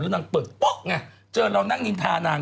นางเปิดปุ๊บไงเจอเรานั่งนินทานาง